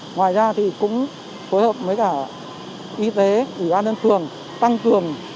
ngoài ra cũng phối hợp với cả y tế ủy an ơn phường tăng cường